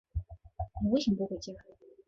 你为什么不回家？